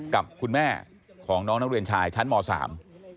กับคุณแม่ของน้องนักเรียนชายชั้นมสาม